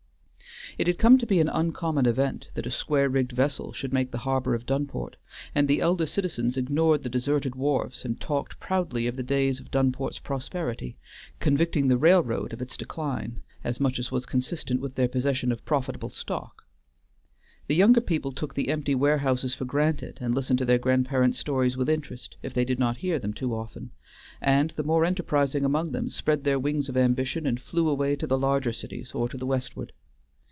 It had come to be an uncommon event that a square rigged vessel should make the harbor of Dunport, and the elder citizens ignored the deserted wharves, and talked proudly of the days of Dunport's prosperity, convicting the railroad of its decline as much as was consistent with their possession of profitable stock. The younger people took the empty warehouses for granted, and listened to their grandparents' stories with interest, if they did not hear them too often; and the more enterprising among them spread their wings of ambition and flew away to the larger cities or to the westward.